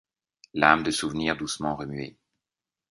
L’âme de souvenirs doucement remuée